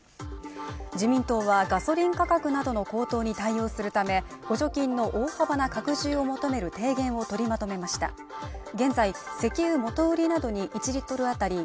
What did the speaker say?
自民党はガソリン価格などの高騰に対応するため補助金の大幅な拡充を求める提言を取りまとめました